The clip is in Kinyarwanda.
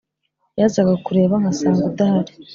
Yazaga kukureba nkasanga udahari